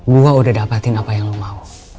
gue udah dapetin apa yang lo mau